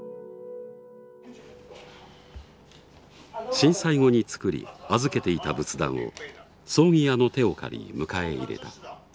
震災後に作り預けていた仏壇を葬儀屋の手を借り迎え入れた。